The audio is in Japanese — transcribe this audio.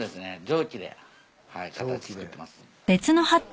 蒸気で形作ってます。